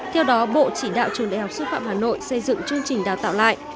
theo đó bộ chỉ đạo trường đại học xúc phạm hà nội xây dựng chương trình đào tạo lại